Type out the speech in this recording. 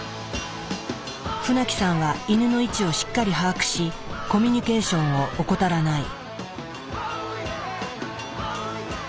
船木さんはイヌの位置をしっかり把握しコミュニケーションを怠らない。